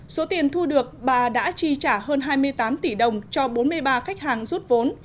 số tiền thu được bà đã chi trả hơn hai mươi tám tỷ đồng cho bốn mươi ba khách hàng rút vốn